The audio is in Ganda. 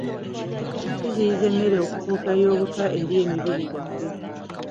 Kiziyiza emmere okufuuka ey'obutwa eri emibiri gyaffe.